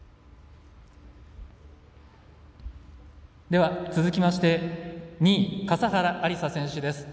では、続きまして２位、笠原有彩選手です。